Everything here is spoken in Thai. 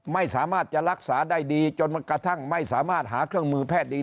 ไม่สามารถจะรักษาได้ดีจนกระทั่งไม่สามารถหาเครื่องมือแพทย์ดี